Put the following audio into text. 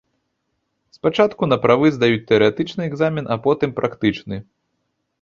Спачатку на правы здаюць тэарэтычны экзамен, а потым практычны.